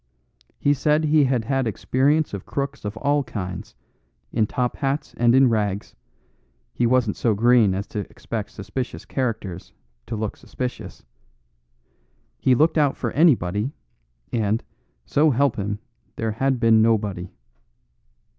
He said he had had experience of crooks of all kinds, in top hats and in rags; he wasn't so green as to expect suspicious characters to look suspicious; he looked out for anybody, and, so help him, there had been nobody.